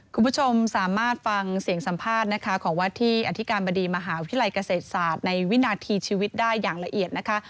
คุณผู้ชมสามารถฟังเสียงสัมภาษณ์นะคะของวัดที่อธิการบดีมหาวิทยาลัยเกษตรศาสตร์ในวินาทีชีวิตได้อย่างละเอียดนะคะ